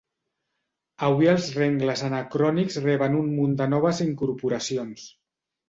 Avui els rengles anacrònics reben un munt de noves incorporacions.